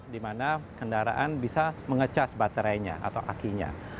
dimana kendaraan bisa mengecas baterainya atau akinya